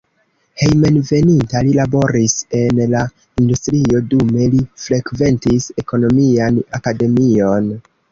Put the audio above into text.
Hejmenveninta li laboris en la industrio, dume li frekventis ekonomian akademion.